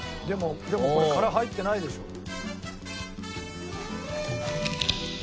でもでもこれ殻入ってないでしょ。